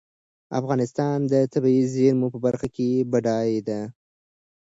افغانستان د طبیعي زېرمونو په برخه کې بډای دی.